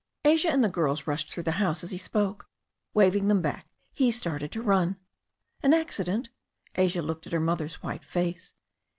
Asia and the girls rushed through the house as he spoke. Waving them back, he started to run. "An accident?" Asia looked at her mother's white face.